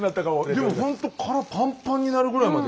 でもほんと殻パンパンになるぐらいまで。